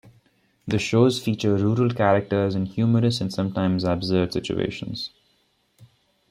The shows feature rural characters in humorous and sometimes absurd situations.